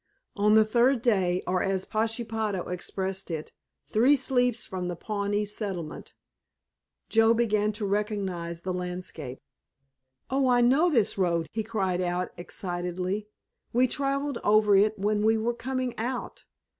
On the third day, or as Pashepaho expressed it, "three sleeps from the Pawnee settlement," Joe began to recognize the landscape. "Oh, I know this road," he cried out excitedly, "we traveled over it when we were coming out!